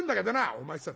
「お前さん。